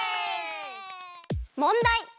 もんだい！